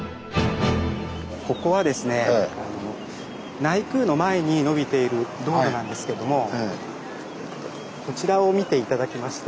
ここはですね内宮の前にのびている道路なんですけどもこちらを見て頂きまして。